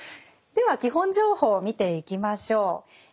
では基本情報を見ていきましょう。